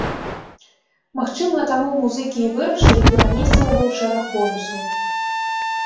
Магчыма, таму музыкі і вырашылі перанесці яго ў шэраг бонусаў.